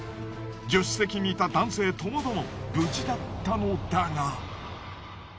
助手席にいた男性ともども無事だったのだが。